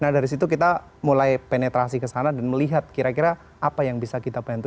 nah dari situ kita mulai penetrasi ke sana dan melihat kira kira apa yang bisa kita bantu